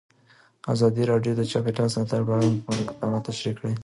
ازادي راډیو د چاپیریال ساتنه په اړه د حکومت اقدامات تشریح کړي.